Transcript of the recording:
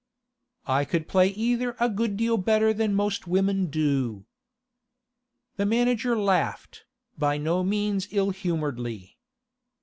'I could play either a good deal better than most women do.' The manager laughed, by no means ill humouredly.